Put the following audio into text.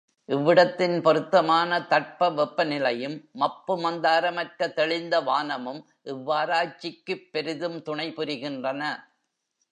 இவ்விடத்தின் பொருத்தமான தட்ப வெப்ப நிலையும், மப்பு மந்தாரமற்ற தெளிந்த வானமும் இவ்வாராய்ச்சிக்குப் பெரிதும் துணைபுரிகின்றன.